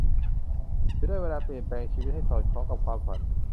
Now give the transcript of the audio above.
หรือได้เวลาเปลี่ยนแปลงชีวิตให้สอดคล้องกับความฝัน